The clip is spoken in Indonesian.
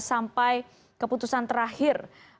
sampai keputusan terakhir